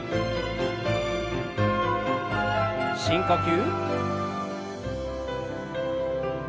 深呼吸。